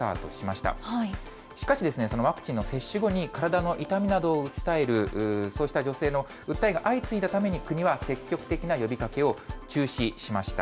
しかしそのワクチンの接種後に、体の痛みなどを訴える、そうした女性の訴えが相次いだために、国は積極的な呼びかけを中止しました。